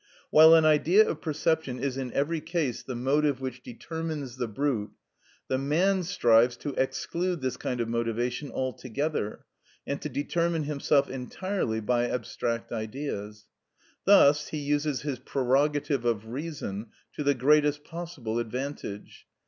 While an idea of perception is in every case the motive which determines the brute, the man strives to exclude this kind of motivation altogether, and to determine himself entirely by abstract ideas. Thus he uses his prerogative of reason to the greatest possible advantage.